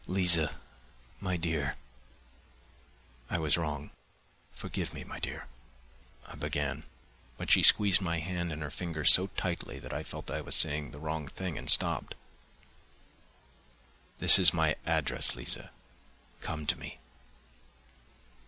"Liza, my dear, I was wrong ... forgive me, my dear," I began, but she squeezed my hand in her fingers so tightly that I felt I was saying the wrong thing and stopped. "This is my address, Liza, come to me."